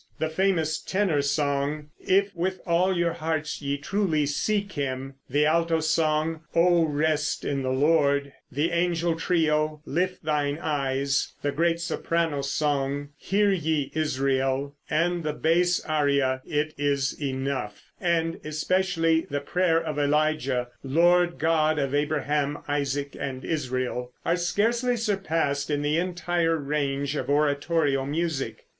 The famous tenor song, "If with All Your Hearts Ye Truly Seek Him," the alto song, "Oh Rest in the Lord," the angel trio, "Lift Thine Eyes," the great soprano song, "Hear Ye Israel," and the bass aria, "It Is Enough," and especially the prayer of Elijah, "Lord God of Abraham, Isaac and Israel," are scarcely surpassed in the entire range of oratorio music.